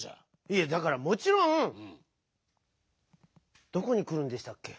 いやだからもちろんどこにくるんでしたっけ？